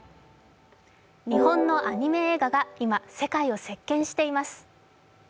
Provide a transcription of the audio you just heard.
日本のアニメ映画が今、世界を席けんしています。